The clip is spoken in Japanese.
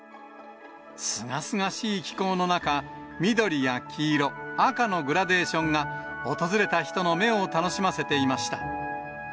すがすがしい気候の中、緑や黄色、赤のグラデーションが、訪れた人の目を楽しませていました。